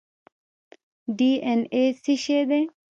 ډي این اې څه شی دی؟